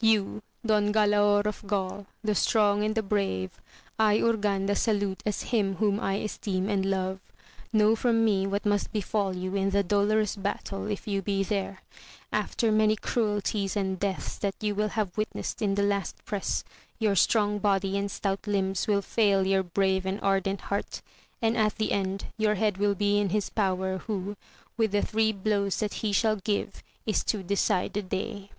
You, Don Galaor of Gaul, the strong and the brave, I, Urganda, salute as him whom I esteem and love ; know from me what must befall you in the dolorous battle, if you be there. After many cruelties and VOL. n. 4 50 AMADIS OF OAUL. deaths that you will have witnessed in the last press, your strong body and stout limbs will fail your brave and ardent heart, and at the end your head will be in his power, who, with the three blows that he shall give, is to decide the day.